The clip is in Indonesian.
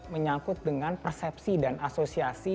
menyangkut dengan persepsi dan asosiasi